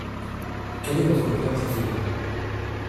Quel est votre plat préféré ?